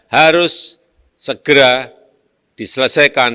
harus segera diselesaikan